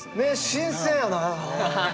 新鮮やな。